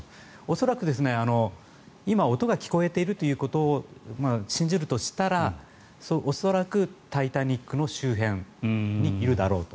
恐らく、今音が聞こえているということを信じるとしたら恐らく「タイタニック」の周辺にいるだろうと。